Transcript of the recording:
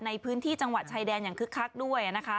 ในพื้นที่จังหวัดชายแดนอย่างคึกคักด้วยนะคะ